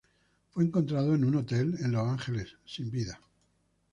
Fue encontrado en un hotel en Los Ángeles sin vida.